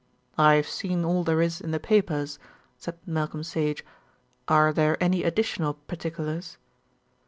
"I've seen all there is in the papers," said Malcolm Sage. "Are there any additional particulars?"